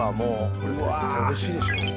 これ絶対おいしいでしょ。